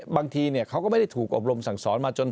บางทีเขาก็ไม่ได้ถูกอบรมสั่งสอนมาจน